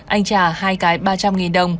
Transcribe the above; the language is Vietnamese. anh trả hai cái ba trăm linh đồng